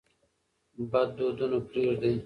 بد دودونه پرېږدئ.